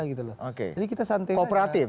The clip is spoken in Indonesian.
jadi kita santai